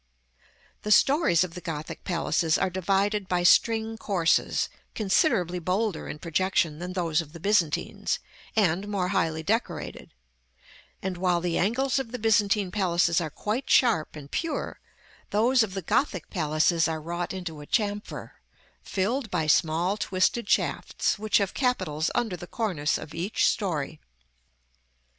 The stories of the Gothic palaces are divided by string courses, considerably bolder in projection than those of the Byzantines, and more highly decorated; and while the angles of the Byzantine palaces are quite sharp and pure, those of the Gothic palaces are wrought into a chamfer, filled by small twisted shafts which have capitals under the cornice of each story.